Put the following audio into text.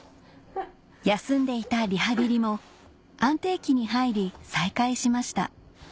休んでいたリハビリも安定期に入り再開しました